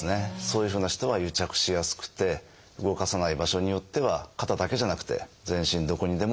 そういうふうな人は癒着しやすくて動かさない場所によっては肩だけじゃなくて全身どこにでも起こることはあります。